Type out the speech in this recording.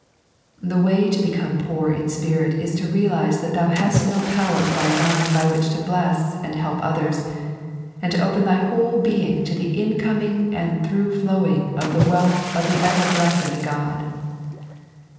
The way to become poor in ^irit is to realize that thou bast no power of thine own by which to bless and help others, and to open thy whole being to the incoming and through flowing of the wealth of the ever blesaed God.